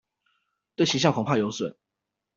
對形象恐怕有損